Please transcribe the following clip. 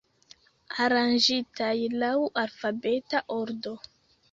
Aranĝitaj laŭ alfabeta ordo.